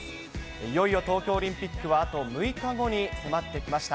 いよいよ東京オリンピックはあと６日後に迫ってきました。